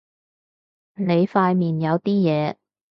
你塊面有啲嘢